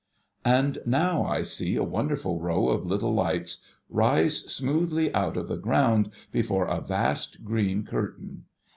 And now, I see a wonderful row of little lights rise smoothly out of the ground, before a vast green curtain.